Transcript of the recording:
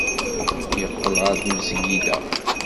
Yeqqel ɣer tmesgida.